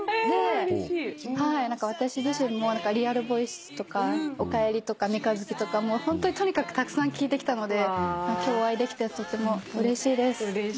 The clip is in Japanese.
私自身も『Ｒｅａｌｖｏｉｃｅ』とか『おかえり』とか『三日月』とかホントにとにかくたくさん聴いてきたので今日お会いできてとてもうれしいです。